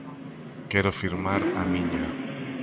Quero firmar a miña.